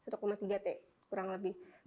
atau tiga t kurang lebih